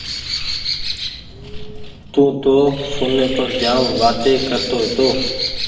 تونٚ تو ڦوني پر جآم وآتي ڪرتو هيتو۔